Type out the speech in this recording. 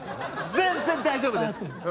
全然大丈夫です！